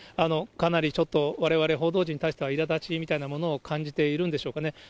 かなりちょっと、われわれ報道陣に対しては、いらだちみたいなものを感じているんでしょうかね。